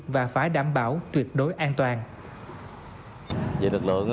và phải đảm bảo tuyệt đối an toàn